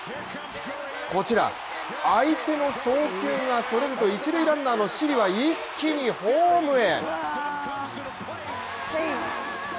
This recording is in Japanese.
こちら、相手の送球がそれると一塁ランナーのシリは一気にホームへ。